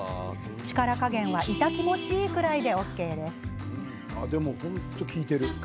力加減は痛気持ちいいくらいでＯＫです。